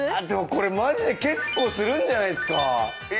これ、マジで、結構するんじゃないですか。